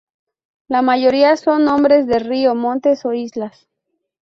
La mayoría son nombres de ríos, montes o islas.